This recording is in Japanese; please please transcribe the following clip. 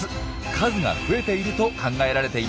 数が増えていると考えられています。